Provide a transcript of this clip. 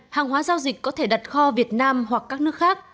hàng hóa giao dịch có thể đặt kho việt nam hoặc các nước khác